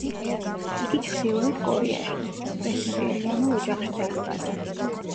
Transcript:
იგი ჩრდილოეთ კორეაში, პრესვიტერიანულ ოჯახში დაიბადა.